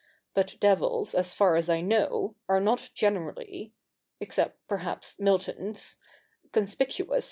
But devils, as far as I know, are not generally — except, perhaps, Milton's — conspicuous for ' Vide J.